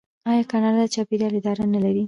آیا کاناډا د چاپیریال اداره نلري؟